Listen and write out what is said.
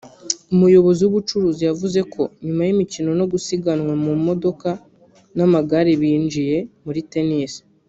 umuyobozi w’ubucuruzi yavuze ko nyuma y’imikino yo gusiganwa mu modoka n’amagare binjiye muri Tennis